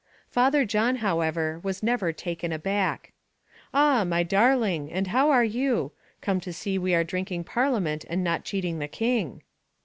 Father John, however, was never taken aback. "Ah, my darling, and how are you? come to see we are drinking parliament and not cheating the king."